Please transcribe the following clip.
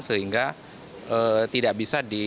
sehingga tidak bisa diambil